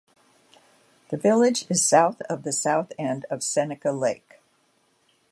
The village is south of the south end of Seneca Lake.